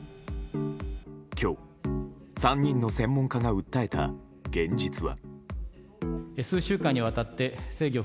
今日３人の専門家が訴えた現実は。